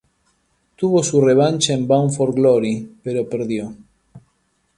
Tuvo su revancha en Bound for Glory, pero perdió.